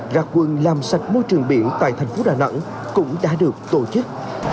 ra quân làm sạch môi trường biển tại thành phố đà nẵng cũng đã được tổ chức